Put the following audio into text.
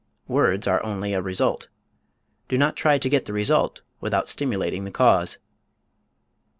Words are only a result. Do not try to get the result without stimulating the cause.